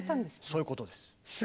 そういうことです。